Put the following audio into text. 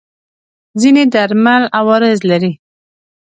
ځینې درمل عوارض لري.